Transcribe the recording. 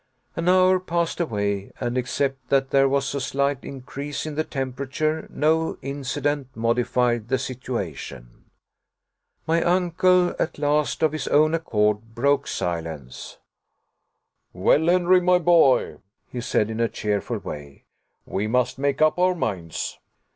An hour passed away, and except that there was a slight increase in the temperature no incident modified the situation. My uncle at last, of his own accord, broke silence. "Well, Henry, my boy," he said, in a cheerful way, "we must make up our minds."